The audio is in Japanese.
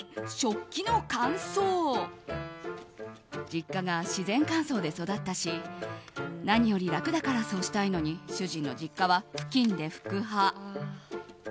実家が自然乾燥で育ったし何より楽だからそうしたいのに主人の実家は、ふきんで拭く派。